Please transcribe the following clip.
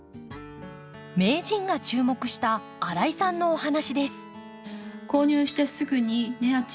名人が注目した新井さんのお話です。